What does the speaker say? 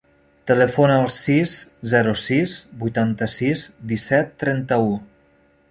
Telefona al sis, zero, sis, vuitanta-sis, disset, trenta-u.